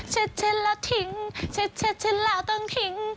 เช็ดเช็ดแล้วทิ้งเช็ดเช็ดแล้วต้องทิ้ง